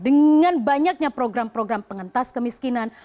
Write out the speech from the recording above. dengan banyaknya program program pengentas kemiskinan